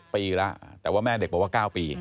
ปีแล้วแต่ว่าแม่เด็กบอกว่า๙ปี